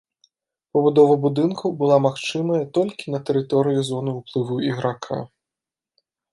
Пабудова будынкаў была магчымая толькі на тэрыторыі зоны ўплыву іграка.